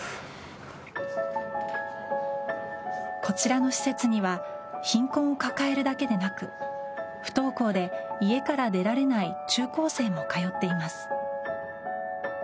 こちらの施設には貧困を抱えるだけでなく不登校で家から出られない中高生も通っています。